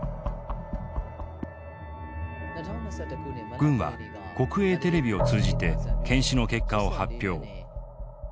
軍は国営テレビを通じて検視の結果を発表。